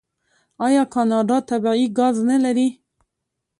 آیا کاناډا طبیعي ګاز نلري؟